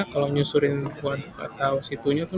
kalau nyusurin waduk atau situnya tuh